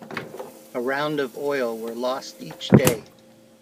Around of oil were lost each day.